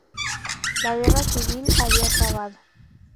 La guerra civil había acabado.